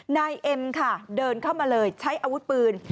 นายเอ็มค่ะเดินเข้ามาเลยใช้อาวุธปืน